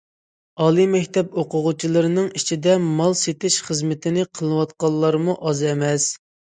ئالىي مەكتەپ ئوقۇغۇچىلىرىنىڭ ئىچىدە مال سېتىش خىزمىتىنى قىلىۋاتقانلارمۇ ئاز ئەمەس.